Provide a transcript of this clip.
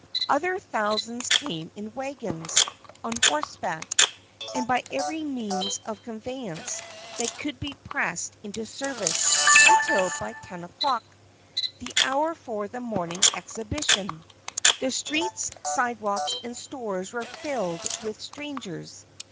Other thousands came in wagons, on horse back and by every means of conveyance that could be pressed into service, until by 10 o'clock the hour for the morning exhibition the streets, sidewalks and stores were filled with strangers.